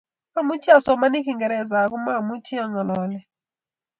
Amuchi asomani kiingerese aku mamuchi ang'oloni